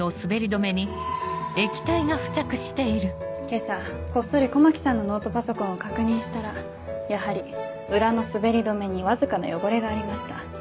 今朝こっそり狛木さんのノートパソコンを確認したらやはり裏の滑り止めにわずかな汚れがありました。